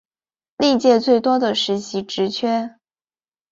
历届最多的实习职缺